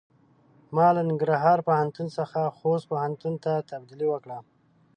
ما له ننګرهار پوهنتون څخه خوست پوهنتون ته تبدیلي وکړۀ.